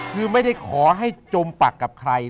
คือไม่ได้ขอให้จมปักกับใคร